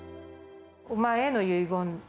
お前への遺言。